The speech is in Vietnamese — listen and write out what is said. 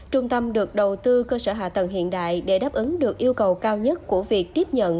trung tâm được đầu tư cơ sở hạ tầng hiện đại để đáp ứng được yêu cầu cao nhất của việc tiếp nhận